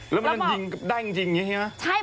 แล้วมันยิงได้จริงอย่างนี้ใช่ไหม